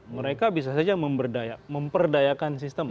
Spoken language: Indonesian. mereka bisa saja memperdayakan sistem